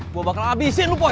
gua bakal abisin lu boy